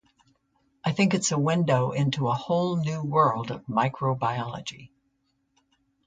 I think it's a window into a whole new world of microbiology.